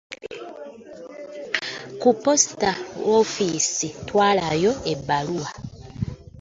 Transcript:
Ku posita woofiisi twatwalayo ebbaluwa .